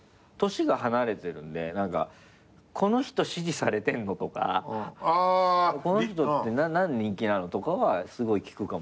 年が離れてるんで「この人支持されてんの？」とか「この人って何で人気なの？」とかはすごい聞くかもしんないっすね。